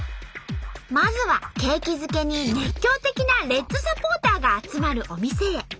まずは景気づけに熱狂的なレッズサポーターが集まるお店へ。